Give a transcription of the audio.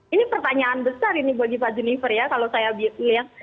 ini pertanyaan besar ini bagi pak junifer ya kalau saya melihat